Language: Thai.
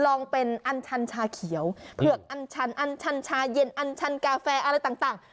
ลองเป็นอันชันชาเขียวเผือกอันชันอันชันชาเย็นอันชันกาแฟอะไรต่าง